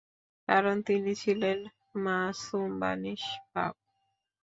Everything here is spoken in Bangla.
কারণ, তিনি ছিলেন মাসূম বা নিস্পাপ।